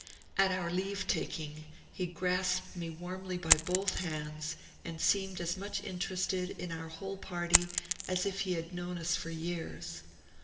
At our leave taking he grasped me warmly by both hands, and seemed as much interested in our whole party as if he had known us for years.